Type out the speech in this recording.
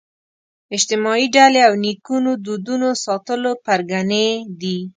اجتماعي ډلې او نیکونو دودونو ساتلو پرګنې دي